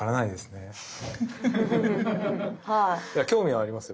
興味はありますよ。